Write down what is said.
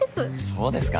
そうですか？